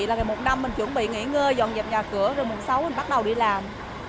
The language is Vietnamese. là ngày một năm mình chuẩn bị nghỉ ngơi dọn dẹp nhà cửa rồi mùng sáu mình bắt đầu đi làm